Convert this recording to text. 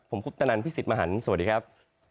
ผมคุปตนันพี่สิทธิ์มหันฯสวัสดีครับ